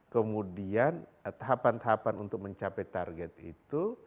kemudian tahapan tahapan untuk mencapai target itu